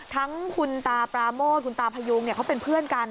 ทั้งคุณตาปราโมทคุณตาพยุงเขาเป็นเพื่อนกัน